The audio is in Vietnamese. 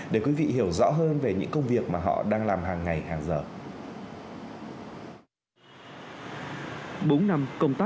để quý vị hiểu rõ hơn về những công việc mà họ đang làm hàng ngày hàng giờ